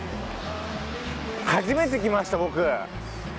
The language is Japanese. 初めて来ました僕。